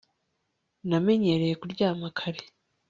Namenyereye kuryama kare